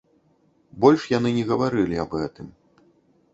Больш яны не гаварылі аб гэтым.